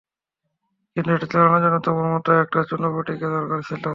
কিন্তু এটা চালানোর জন্য, তোমার মতো একটা চুনোপুঁটিকে দরকার ছিল।